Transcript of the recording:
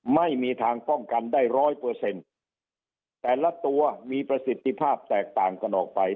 ไม่มีทางป้องกันได้ร้อยเปอร์เซ็นต์แต่ละตัวมีประสิทธิภาพแตกต่างกันออกไป